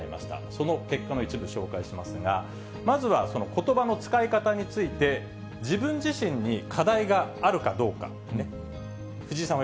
その結果の一部、紹介しますが、まずはことばの使い方について、自分自身に課題があるかどうか。